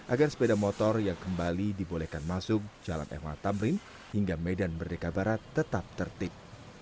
agar sepeda motor yang kembali dibolehkan masuk jalan mh tamrin hingga medan merdeka barat tetap tertib